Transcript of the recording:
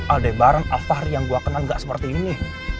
ada barang apa hari yang gue kenal gak seperti ini